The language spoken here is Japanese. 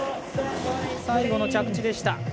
最後の着地でした。